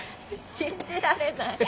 信じられない。